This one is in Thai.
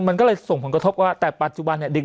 มันก็เลยส่งผลกระทบว่าแต่ปัจจุบันเนี่ย